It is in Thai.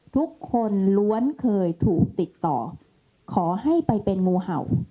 ทุกคนล้วนเคยถูกติดต่อขอให้ไปเป็นงูเห่า